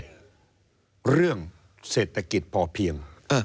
แม้กระทั่งเรื่องเศรษฐกิจพอเพียง